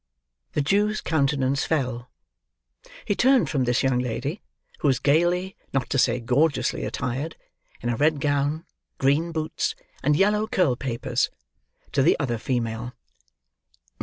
The Jew's countenance fell. He turned from this young lady, who was gaily, not to say gorgeously attired, in a red gown, green boots, and yellow curl papers, to the other female.